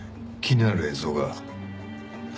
気になる映像が。